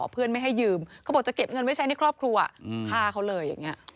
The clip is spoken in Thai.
เพื่อนไม่ให้ยืมเขาบอกจะเก็บเงินไว้ใช้ในครอบครัวฆ่าเขาเลยอย่างนี้